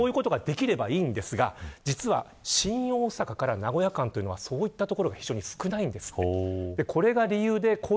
こういうことができればいいんですが実は、新大阪から名古屋間というのはそういった所が少ないんですね。